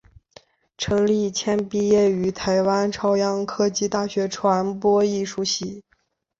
陈立谦毕业于台湾朝阳科技大学传播艺术系。